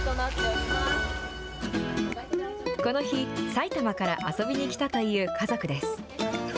この日、埼玉から遊びに来たという家族です。